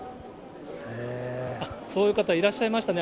そういう方いらっしゃいましたね。